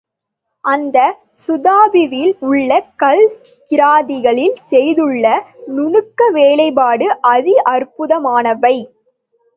அந்த ஸ்தூபாவில் உள்ள கல் கிராதிகளில் செய்துள்ள நுணுக்க வேலைப்பாடு அதி அற்புதமானவை.